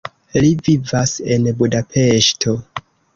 Li vivas en Budapeŝto.